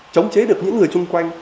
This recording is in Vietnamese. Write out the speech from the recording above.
chống chế được những người chung quanh